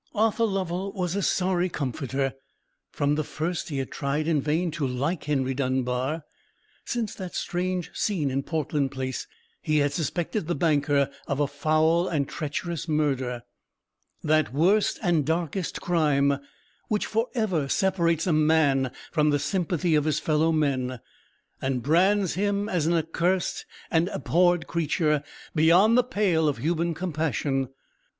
Arthur Lovell was a sorry comforter. From the first he had tried in vain to like Henry Dunbar. Since that strange scene in Portland Place, he had suspected the banker of a foul and treacherous murder,—that worst and darkest crime, which for ever separates a man from the sympathy of his fellow men, and brands him as an accursed and abhorred creature, beyond the pale of human compassion.